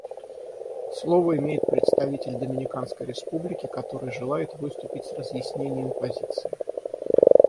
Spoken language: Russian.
Слово имеет представитель Доминиканской Республики, который желает выступить с разъяснением позиции.